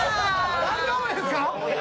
大丈夫ですか？